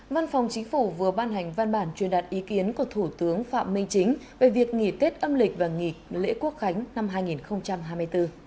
văn phòng chính phủ vừa ban hành văn bản truyền đạt ý kiến của thủ tướng phạm minh chính về việc nghỉ tết âm lịch và nghỉ lễ quốc khánh năm hai nghìn hai mươi bốn